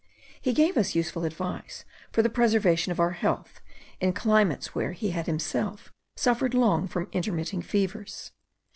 He gave us useful advice for the preservation of our health, in climates where he had himself suffered long from intermitting fevers.